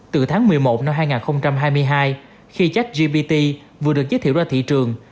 từ tháng một mươi một năm hai nghìn hai mươi hai khi chat gpt vừa được giới thiệu ra thị trường